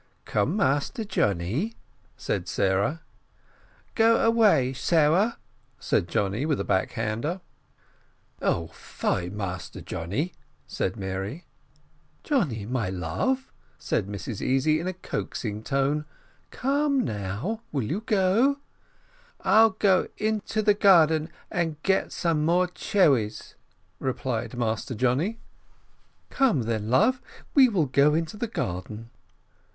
"Come, Master Johnny," said Sarah. "Go away, Sarah," said Johnny, with a back hander. "Oh, fie, Master Johnny!" said Mary. "Johnny, my love," said Mrs Easy, in a coaxing tone, "come now will you go?" "I'll go in the garden and get some more cherries," replied Master Johnny. "Come, then, love, we will go into the garden."